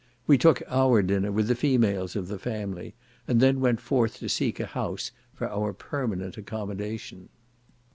We took our dinner with the females of the family, and then went forth to seek a house for our permanent accommodation.